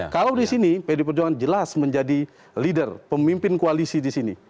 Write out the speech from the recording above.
kalau di sini pd perjuangan jelas menjadi leader pemimpin koalisi di sini